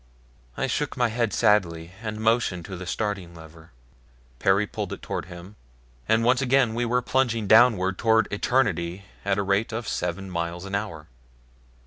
I shook my head sadly, and motioned to the starting lever. Perry pulled it toward him, and once again we were plunging downward toward eternity at the rate of seven miles an hour.